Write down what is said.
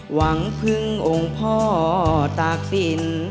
หวังพึ่งองค์พ่อตากศิลป์